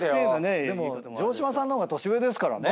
でも城島さんの方が年上ですからね。